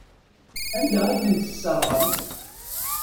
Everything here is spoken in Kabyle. Anda ay ten-tesserɣemt?